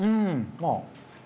まあ。